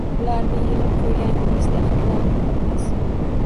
Ularni yig'ib qo'yganingizda hidlanib qolmas.